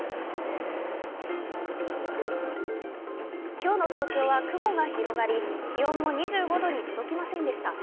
今日の東京は雲が広がり気温も２５度に届きませんでした。